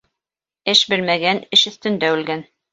Эш белмәгән эш өҫтөндә үлгән.